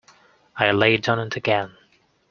I laid it on again.